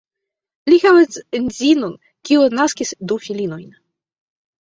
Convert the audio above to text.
Li havas edzinon, kiu naskis du filinojn.